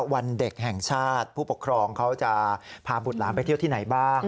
วันเด็กแห่งชาติผู้ปกครองเขาจะพาบุตรหลานไปเที่ยวที่ไหนบ้าง